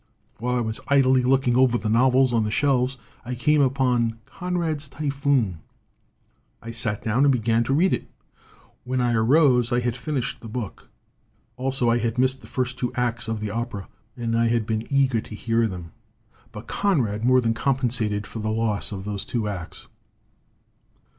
"While I was idly looking over the novels on the shelves I came upon Conrad's Typhoon. I sat down and began to read it. "When I arose, I had finished the book. Also, I had missed the first two acts of the opera and I had been eager to hear them. But Conrad 48 ROMANTICISM AND HUMOR more than compensated for the loss of those two acts.